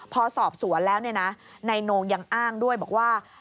พอสอบสวนแล้วนายโนงยังอ้างด้วยบอกว่า